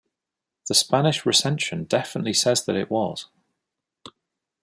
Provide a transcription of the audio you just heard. The Spanish recension definitely says that it was.